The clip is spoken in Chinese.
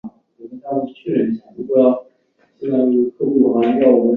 短鳍虫鳗为蠕鳗科虫鳗属的鱼类。